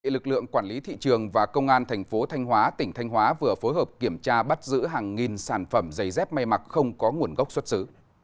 lực lượng quản lý thị trường và công an thành phố thanh hóa tỉnh thanh hóa vừa phối hợp kiểm tra bắt giữ hàng nghìn sản phẩm giày dép me mặc không có nguồn gốc xuất xứ